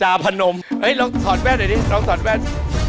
เหต้เพนนม